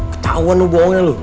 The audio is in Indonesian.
ketauan lo bohongnya lo